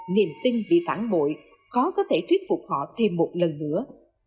niềm tin bị phản bội khó có thể thuyết phục họ thêm một lần nữa